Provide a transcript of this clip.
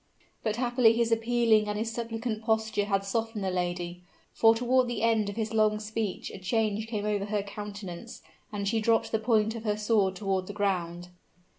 But happily his appealing and his suppliant posture had softened the lady: for toward the end of his long speech a change came over her countenance, and she dropped the point of her sword toward the ground.